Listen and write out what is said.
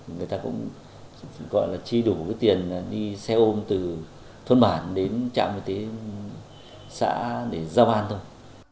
người ta cũng gọi là chi đủ cái tiền đi xe ôm từ thôn bản đến trạm y tế xã để giao ban thôi